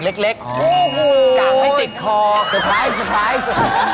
เซอร์ไพรซ์